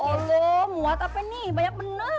lho allah muat apa nih banyak bener ya allah